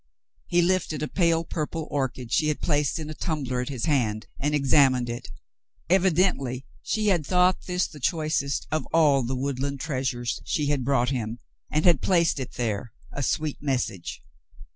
He lifted a pale purple orchid she had placed in a tumbler at his hand and examined it. Evidently she had thought this the choicest of all the woodland treasures she had brought him, and had placed it there, a sweet message.